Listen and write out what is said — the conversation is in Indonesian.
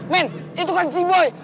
men itu kan si boy